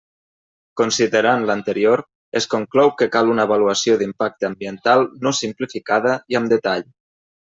Considerant l'anterior, es conclou que cal una avaluació d'impacte ambiental no simplificada i amb detall.